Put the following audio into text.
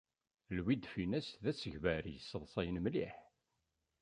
Louis de Funès d asegbar yesseḍsayen mliḥ.